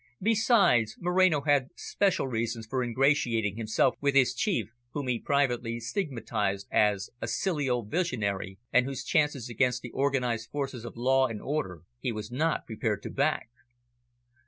Besides, Moreno had special reasons for ingratiating himself with his Chief, whom he privately stigmatised as a "silly old visionary," and whose chances against the organised forces of law and order he was not prepared to back.